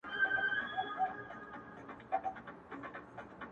• پاس د مځکي پر سر پورته عدالت دئ,